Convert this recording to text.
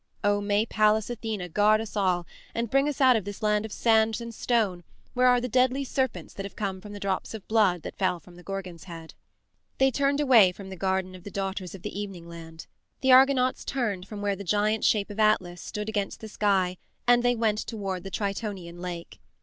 O may Pallas Athene guard us all, and bring us out of this land of sands and stone where are the deadly serpents that have come from the drops of blood that fell from the Gorgon's head! They turned away from the Garden of the Daughters of the Evening Land. The Argonauts turned from where the giant shape of Atlas stood against the sky and they went toward the Tritonian Lake.